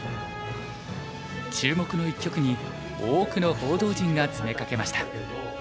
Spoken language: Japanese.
注目の一局に多くの報道陣が詰めかけました。